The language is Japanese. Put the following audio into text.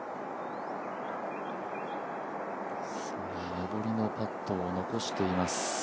上りのパットを残しています。